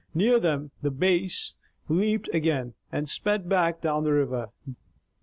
Near them the Bass leaped again, and sped back down the river.